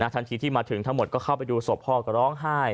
ทันทีที่มาถึงทั้งหมดก็เข้าไปดูศพพ่อก็ร้องไห้